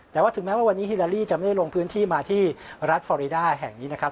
แต่ว่าถึงแม้ว่าวันนี้ฮิลาลีจะไม่ได้ลงพื้นที่มาที่รัฐฟอริดาแห่งนี้นะครับ